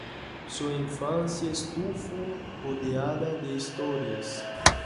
Su infancia estuvo rodeada de historias.